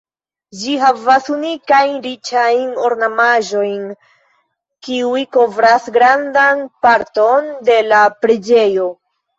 Ĝi havas unikajn riĉajn ornamaĵojn kiuj kovras grandan parton de la preĝejo.